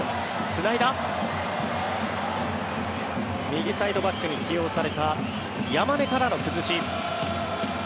右サイドバックに起用された山根からの崩し。